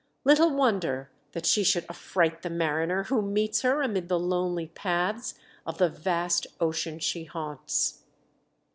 Little wonder that she should affright the mariner who meets her amid the lonely paths of the vast ocean she haunts.